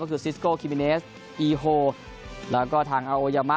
ก็คือซิสโกคิมิเนสอีโฮแล้วก็ทางอาโอยามะ